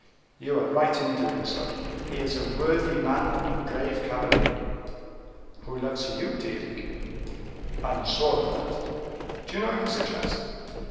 "You are right in doing so; he is a worthy man and a brave cavalier." "Who loves you dearly." "I am sure of that. Do you know his address?"